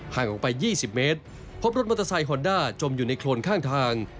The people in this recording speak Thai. ออกไป๒๐เมตรพบรถมอเตอร์ไซคอนด้าจมอยู่ในโครนข้างทาง